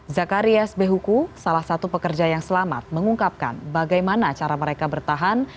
zakarias behuku salah satu pekerja yang selamat mengungkapkan bagaimana cara mereka bertahan